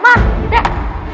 kakak usah ngomongin gitu terus